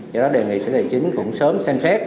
do đó đề nghị sở tài chính cũng sớm xem xét